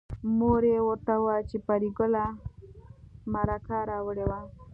مور یې ورته وویل چې پري ګله مرکه راوړې وه